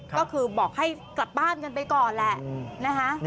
ก็คือบอกให้กลับบ้านกันไปก่อนแหละนะคะ